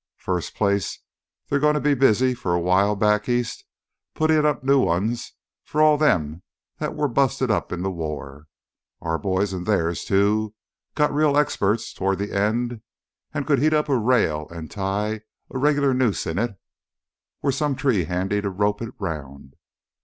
"First place, they're gonna be busy for a while back east puttin' up new ones for all them what were busted up in th' war. Our boys an' theirs, too, got real expert toward th' end—could heat up a rail an' tie a regular noose in it, were some tree handy to rope it 'round.